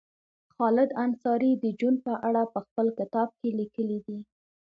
خالد انصاري د جون په اړه په خپل کتاب کې لیکلي دي